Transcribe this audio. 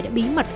đã bí mật